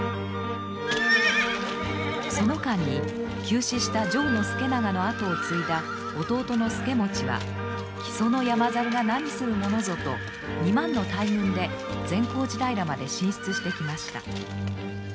その間に急死した城資長の跡を継いだ弟の資茂は木曽の山猿が何するものぞと２万の大軍で善光寺平まで進出してきました。